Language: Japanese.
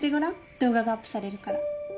動画がアップされるから。